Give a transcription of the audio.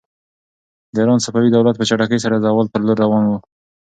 د ایران صفوي دولت په چټکۍ سره د زوال پر لور روان و.